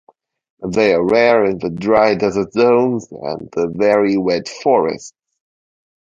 They are rare in the dry desert zones and the very wet forests.